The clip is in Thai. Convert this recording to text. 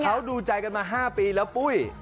เขาดูใจกันมา๕ปีแล้วปุ้ย